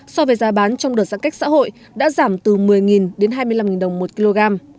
so với giá bán trong đợt giãn cách xã hội đã giảm từ một mươi đến hai mươi năm đồng một kg